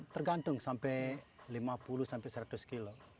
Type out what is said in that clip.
tergantung sampai lima puluh sampai seratus kilo